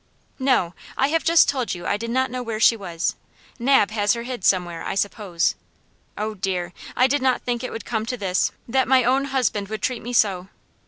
"No! I have just told you I did not know where she was. Nab has her hid somewhere, I suppose. Oh, dear! I did not think it would come to this; that my own husband would treat me so."